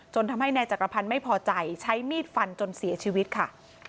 ทำให้นายจักรพันธ์ไม่พอใจใช้มีดฟันจนเสียชีวิตค่ะ